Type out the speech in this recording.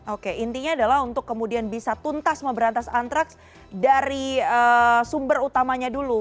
oke intinya adalah untuk kemudian bisa tuntas memberantas antraks dari sumber utamanya dulu